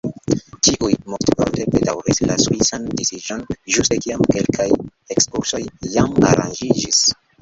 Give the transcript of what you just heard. Ĉiuj multvorte bedaŭris la subitan disiĝon, ĝuste kiam kelkaj ekskursoj jam aranĝiĝis.